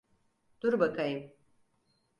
Dur bakayım.